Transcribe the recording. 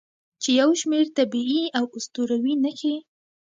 چې یو شمیر طبیعي او اسطوروي نښې